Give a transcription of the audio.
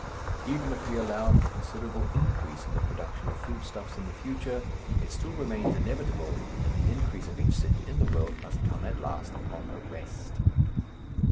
Even if we allowed for considerable increase in the production of food stuffs in the future, it still remains inevitable that the increase of each city in the world must come at last upon arrest.